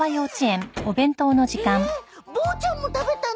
えボーちゃんも食べたの！？